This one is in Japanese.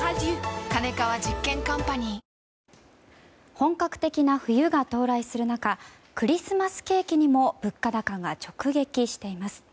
本格的な冬が到来する中クリスマスケーキにも物価高が直撃しています。